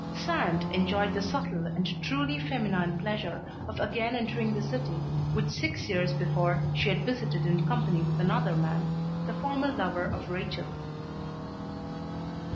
Sand enjoyed the subtle and truly feminine pleasure of again entering the city which six years before she had visited in company with another man, the former lover of Rachel.